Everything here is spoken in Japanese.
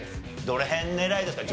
どの辺狙いですか？